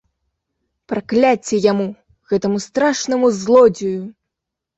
Пракляцце яму, гэтаму страшнаму злодзею!